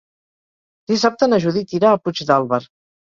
Dissabte na Judit irà a Puigdàlber.